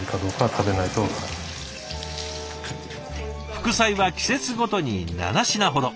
副菜は季節ごとに７品ほど。